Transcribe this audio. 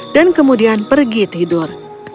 dan kemudian pergi tidur